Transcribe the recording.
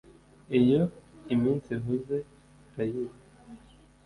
Iyo iminsi ihuze urayiba.